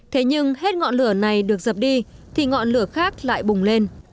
thế nhưng hết ngọn lửa này được dập đi thì ngọn lửa khác lại bùng lên